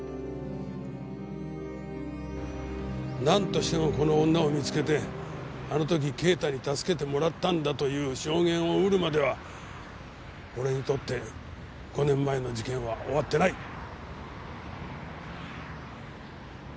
なんとしてもこの女を見つけてあの時啓太に助けてもらったんだという証言を得るまでは俺にとって５年前の事件は終わってない！